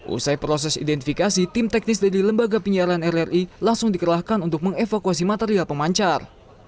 usai proses identifikasi tim teknis dari lembaga penyiaran rri langsung dikerahkan untuk mengevakuasi material pemancar